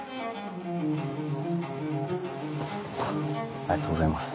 ありがとうございます。